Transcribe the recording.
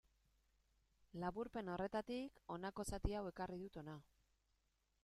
Laburpen horretatik honako zati hau ekarri dut hona.